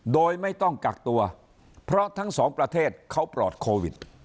โดยไม่ต้องกักตัวเพราะทั้งสองประเทศเขาปลอดโควิด